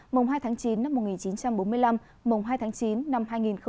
mùng hai tháng chín năm một nghìn chín trăm bốn mươi năm mùng hai tháng chín năm hai nghìn hai mươi